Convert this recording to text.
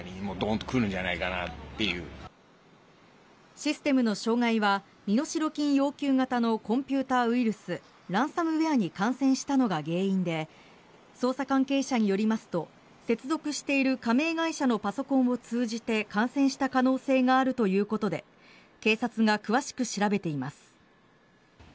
システムの障害は身代金要求型のコンピューターウイルスランサムウェアに感染したのが原因で捜査関係者によりますと接続している加盟会社のパソコンを通じて感染した可能性があるということで警察が詳しく調べています。